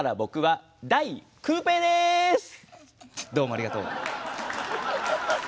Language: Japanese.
どうもありがとう！